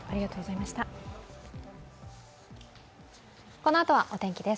このあとはお天気です。